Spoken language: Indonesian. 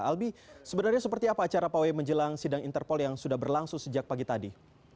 albi sebenarnya seperti apa acara pawai menjelang sidang interpol yang sudah berlangsung sejak pagi tadi